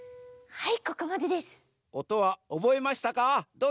はい！